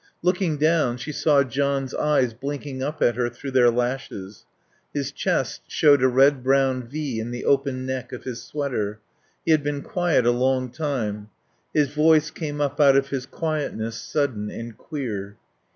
Looking down she saw John's eyes blinking up at her through their lashes. His chest showed a red brown V in the open neck of his sweater. He had been quiet a long time. His voice came up out of his quietness, sudden and queer.